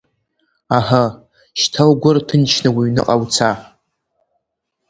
Аҳы, шьҭа угәы рҭынчны уҩныҟа уца…